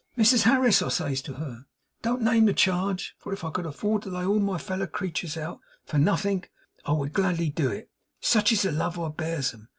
"Mrs Harris," I says to her, "don't name the charge, for if I could afford to lay all my feller creeturs out for nothink, I would gladly do it, sich is the love I bears 'em.